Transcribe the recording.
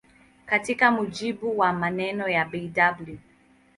Katika mujibu wa maneno ya Bw.